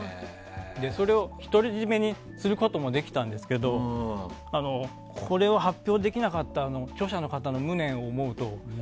それを独り占めにすることもできたんですけどこれを発表できなかった著者の方の無念を思うと。